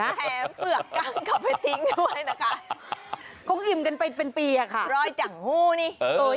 แถมเผือกก้างเข้าไปทิ้งด้วยนะคะคงอิ่มกันไปเป็นปีอะค่ะรอยจังหู้นี่